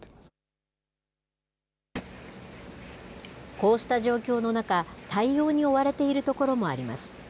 こうした状況の中、対応に追われている所もあります。